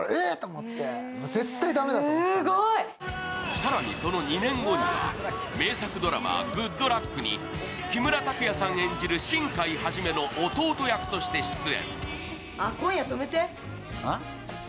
更にその２年後には名作ドラマ「ＧＯＯＤＬＵＣＫ！！」に木村拓哉さん演じる新海元の弟役として出演。